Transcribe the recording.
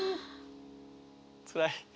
つらい。